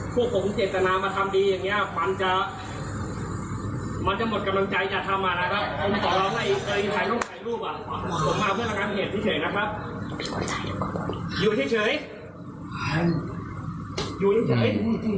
ดีนะมีคนเยอะอย่างเฉย